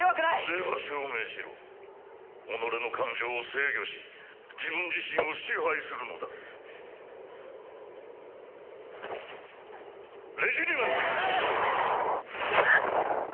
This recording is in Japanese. では証明しろ己の感情を制御し自分自身を支配するのだレジリメンス！